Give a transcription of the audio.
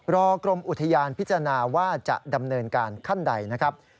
กรมอุทยานพิจารณาว่าจะดำเนินการขั้นใดนะครับ